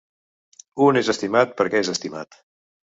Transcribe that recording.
Un és estimat perquè és estimat.